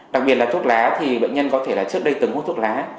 đặc biệt là thuốc lá thì bệnh nhân có thể là trước đây từng hút thuốc lá